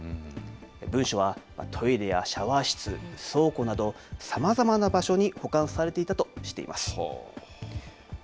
文書はトイレやシャワー室、倉庫などさまざまな場所に保管されていたとしています。